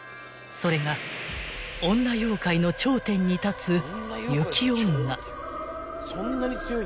［それが女妖怪の頂点に立つ］